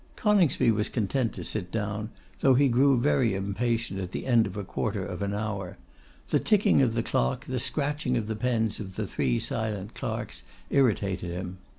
Coningsby was content to sit down, though he grew very impatient at the end of a quarter of an hour. The ticking of the clock, the scratching of the pens of the three silent clerks, irritated him.